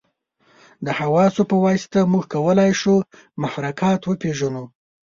د حواسو په واسطه موږ کولای شو محرکات وپېژنو.